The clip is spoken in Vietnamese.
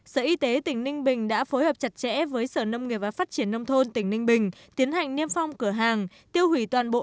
sở y tế tỉnh ninh bình đã phối hợp chặt chẽ với sở nông nghiệp và phát triển nông thôn tỉnh ninh bình